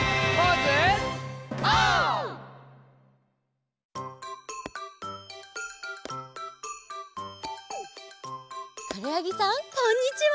くろやぎさんこんにちは！